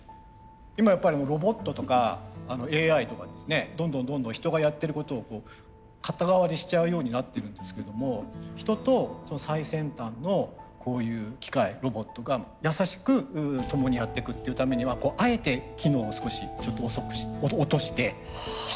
今やっぱりロボットとかＡＩとかですねどんどんどんどん人がやってることを肩代わりしちゃうようになってるんですけども人と最先端のこういう機械ロボットが優しく共にやってくっていうためにはあえて機能を少しちょっと落として人が入り込む余地を作るっていう。